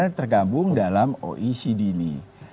karena tergabung dalam oecd ini